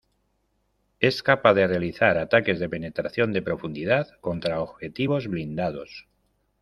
Es capaz de realizar ataques de penetración de profundidad contra objetivos blindados.